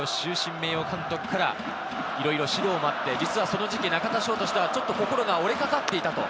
名誉監督から、いろいろ指導もあって、その時期、中田翔としては心が折れかかっていたと。